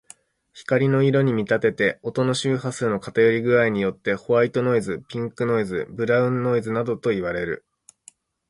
光の色に見立てて、音の周波数の偏り具合によってホワイトノイズ、ピンクノイズ、ブラウンノイズなどといわれる。